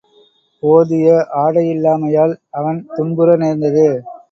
போதிய ஆடையில்லாமையால், அவன் துன்புற நேர்ந்தது.